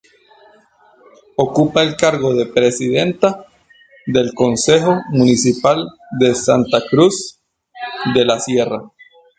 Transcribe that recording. Ocupa el cargo de presidenta del concejo municipal de Santa Cruz de la Sierra.